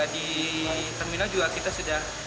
di terminal juga kita sudah